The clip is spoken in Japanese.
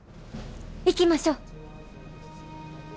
行きましょう。